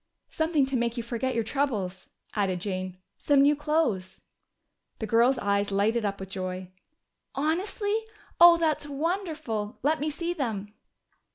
"Something to make you forget your troubles," added Jane. "Some new clothes." The girl's eyes lighted up with joy. "Honestly? Oh, that's wonderful! Let me see them!"